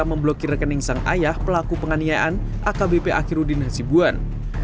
memblokir rekening sang ayah pelaku penganiayaan akbp akhirudin hasibuan